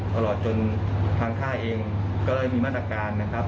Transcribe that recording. ตลอดจนทางท่าเองก็เลยมีมาตรการ